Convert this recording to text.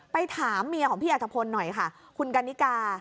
ถามเมียของพี่อัฐพลหน่อยค่ะคุณกันนิกา